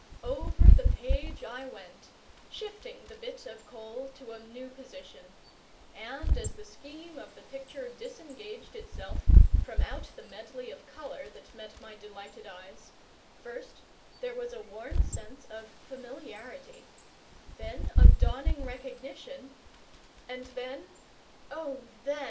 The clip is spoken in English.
Over the page I went, shifting the bit of coal to a new position; and, as the scheme of the picture disengaged itself from out the medley of colour that met my delighted eyes, first there was a warm sense of familiarity, then a dawning recognition, and then O then!